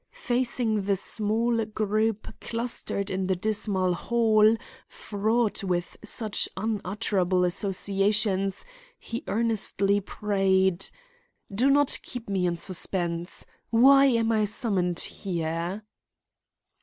Facing the small group clustered in the dismal hall fraught with such unutterable associations, he earnestly prayed: "Do not keep me in suspense. Why am I summoned here?"